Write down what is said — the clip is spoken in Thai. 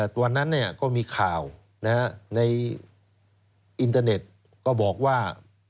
ตอนนั้นก็มีข่าวในอินเทอร์เน็ตก็บอกว่า